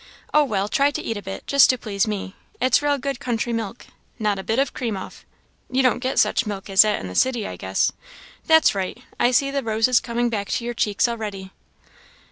"Oh, well, try to eat a bit, just to please me. It's real good country milk not a bit of cream off. You don't get such milk as that in the city, I guess. That's right! I see the roses coming back to your cheeks already?"